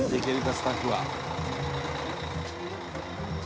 スタッフは」